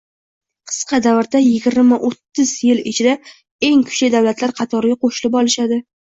qisqa davrda yigirma o'ttiz yil ichida eng kuchli davlatlar qatoriga qo‘shilib olishadi?